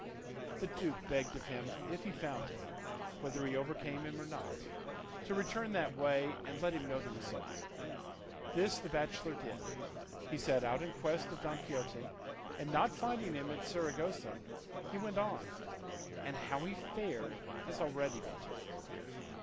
The duke begged of him if he found him (whether he overcame him or not) to return that way and let him know the result. This the bachelor did; he set out in quest of Don Quixote, and not finding him at Saragossa, he went on, and how he fared has been already told.